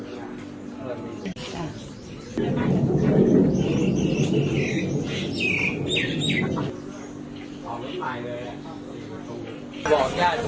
อาวุธแห่งแล้วพอเดินได้ผมว่าเจอบัตรภรรยากุศิษภัณฑ์